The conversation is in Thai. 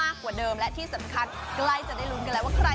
ขวดละ๑๐บาตร